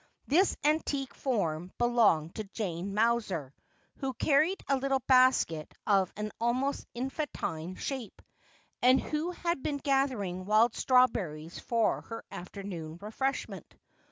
This antique form belonged to Jane Mowser, who carried a little basket of an almost infantine shape, and who had been gathering wild straw beri ies for her afternoon refreshment.